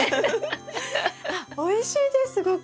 あっおいしいですすごく。